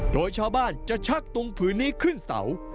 โดยชาวบ้านจะชักตุงผืนนี้ขึ้นเสา